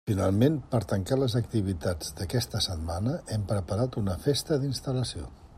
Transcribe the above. Finalment, per tancar les activitats d'aquesta setmana hem preparat una Festa d'instal·lació.